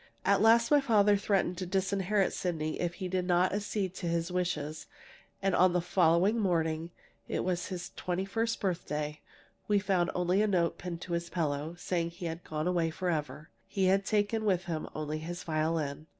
At last my father threatened to disinherit Sydney if he did not accede to his wishes. And on the following morning it was his twenty first birthday we found only a note pinned to his pillow, saying he had gone away forever. He had taken with him only his violin.